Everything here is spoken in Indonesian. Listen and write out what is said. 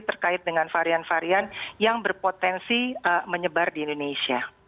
terkait dengan varian varian yang berpotensi menyebar di indonesia